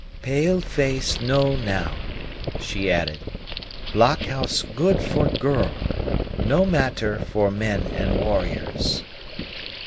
"Pale face know now," she added. "Blockhouse good for girl, no matter for men and warriors."